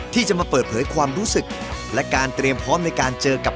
ที่จะมาเปิดเผยความรู้สึกและการเตรียมพร้อมในการเจอกับ